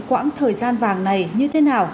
quãng thời gian vàng này như thế nào